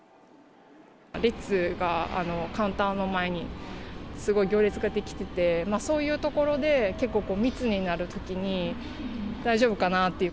列がカウンターの前にすごい行列が出来てて、そういうところで、結構密になるときに、大丈夫かなっていう。